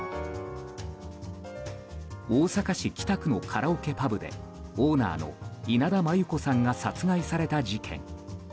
大阪市北区のカラオケパブでオーナーの稲田真優子さんが殺害された事件。